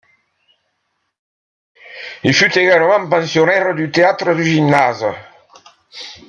Il fut également pensionnaire du Théâtre du Gymnase.